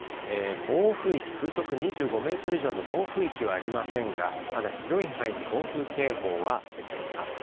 暴風域、風速２５メートル以上の暴風域はありませんがまだ広い範囲で暴風警報は出ています。